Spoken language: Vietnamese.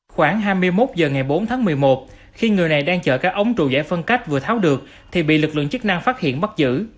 khoảng hai mươi một h ngày bốn tháng một mươi một khi người này đang chở các ống trụ giải phân cách vừa tháo được thì bị lực lượng chức năng phát hiện bắt giữ